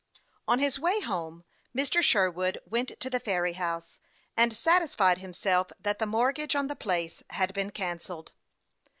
ON his way home, Mr. Sherwood went to the ferry house and satisfied himself that the mortgage on the place had been cancelled.